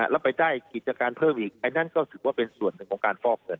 แล้วไปได้กิจการเพิ่มอีกอันนั้นก็ถือว่าเป็นส่วนหนึ่งของการฟอกเงิน